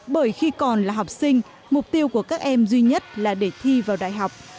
bởi khi còn là học sinh mục tiêu của các em duy nhất là để thi vào đại học